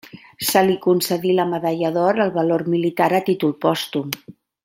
Se li concedí la Medalla d'Or al Valor Militar a títol pòstum.